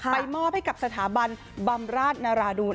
มอบให้กับสถาบันบำราชนาราดูน